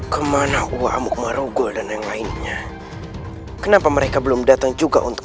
kemana uang merugol dan yang lainnya kenapa mereka belum datang juga untuk